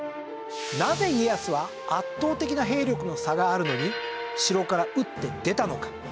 なぜ家康は圧倒的な兵力の差があるのに城から打って出たのか？